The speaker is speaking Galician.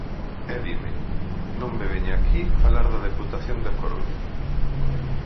E dime: non me veña aquí falar da Deputación da Coruña.